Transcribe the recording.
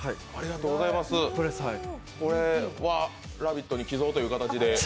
これは「ラヴィット！」に寄贈という形で。